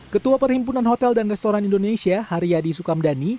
kedua perhimpunan hotel dan restoran indonesia hari yadi sukamdhani